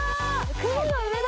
雲の上だ！